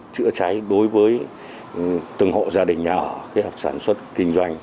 chữa cháy đối với từng hộ gia đình nhà ở kết hợp sản xuất kinh doanh